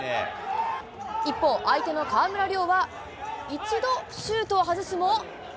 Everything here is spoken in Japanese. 一方、相手の川村怜は、一度シュートを外すも。